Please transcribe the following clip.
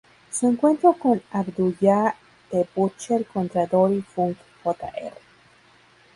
Su encuentro con Abdullah the Butcher contra Dory Funk Jr.